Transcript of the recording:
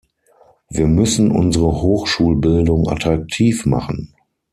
Wir müssen unsere Hochschulbildung attraktiv machen.